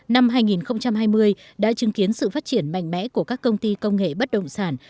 năm hai nghìn hai mươi đã chứng kiến sự phát triển mạnh mẽ của các công ty công nghệ bất động sản